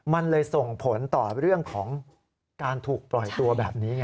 มันเลยส่งผลต่อเรื่องของการถูกปล่อยตัวแบบนี้ไง